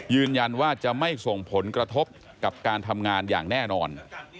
ยืนยันว่าจะไม่ส่งผลกระทบกับการทำงานอย่างแน่นอน